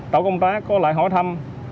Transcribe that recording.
đậu công tác có lại hỏi thăm